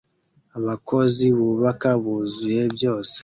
Abakozi bubaka buzuye byose